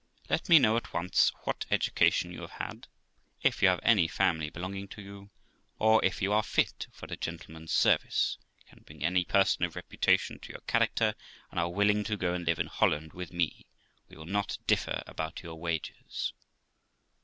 Let me know at once what education you have had, if you have any family belonging to you, or if you are fit for a gentleman's service, can bring any person of reputation to your character, and are willing to go and live in Holland with me : we will not differ about your wages.'